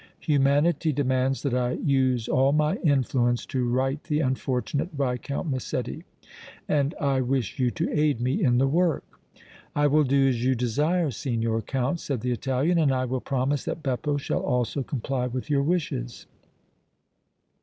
Humanity demands that I use all my influence to right the unfortunate Viscount Massetti, and I wish you to aid me in the work." "I will do as you desire, Signor Count," said the Italian, "and I will promise that Beppo shall also comply with your wishes."